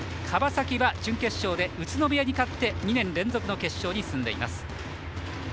川崎は、準決勝で宇都宮に勝って２年連続の決勝に進んでいます。